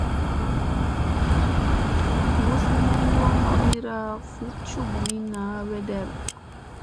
Gusu moŋgo mamira vuɗ cuknini naa werɗeɗ.